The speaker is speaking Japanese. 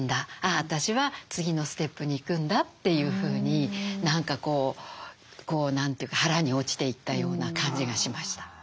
あ私は次のステップに行くんだ」というふうに何かこう何て言うか腹に落ちていったような感じがしました。